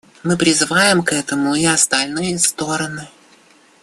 Мы призываем к этому и остальные стороны.